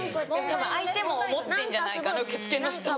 たぶん相手も思ってんじゃないかな受付の人も。